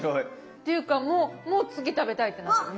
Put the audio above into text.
っていうかもう次食べたいってなってる。